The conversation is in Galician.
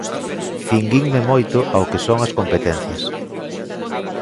Cinguinme moito ao que son as competencias.